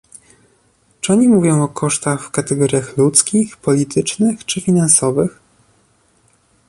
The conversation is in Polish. Czy oni mówią o kosztach w kategoriach ludzkich, politycznych, czy finansowych?